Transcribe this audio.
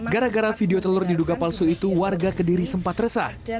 gara gara video telur diduga palsu itu warga kediri sempat resah